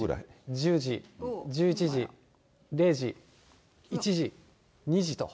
１０時、１１時、０時、１時、２時と。